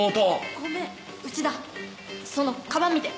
ごめんうちだそのかばん見て。